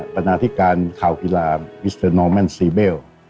นาธิการข่าวกีฬาอิสเตอร์นอร์แมนซีเบล